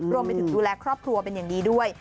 รวมไปถึงดูแลครอบครัวเป็นอย่างดีด้วย